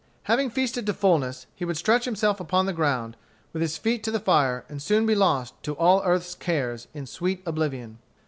Having feasted to satiety, he would stretch himself upon the ground, with his feet to the fire, and soon be lost to all earth's cares, in sweet oblivion.